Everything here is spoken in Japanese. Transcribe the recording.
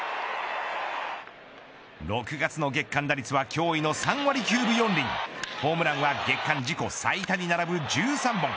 ６月の月間打率は驚異の３割９分４厘ホームランは月間自己最多に並ぶ１３本。